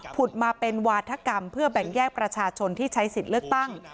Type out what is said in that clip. ุดมาเป็นวาธกรรมเพื่อแบ่งแยกประชาชนที่ใช้สิทธิ์เลือกตั้ง